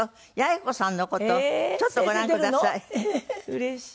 うれしい。